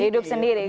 hidup sendiri ya